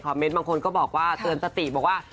ก็เตือนสติบอกว่า